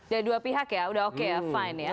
dari dua pihak ya udah oke ya fine ya